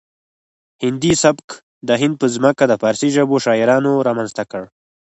هندي سبک د هند په ځمکه د فارسي ژبو شاعرانو رامنځته کړ